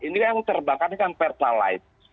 ini yang terbakar ini kan pertalite